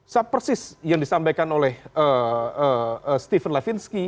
sepersis yang disampaikan oleh steven levinsky